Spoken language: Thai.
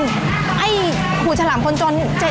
ใช่ไอ้ผู้ฉลามคนจน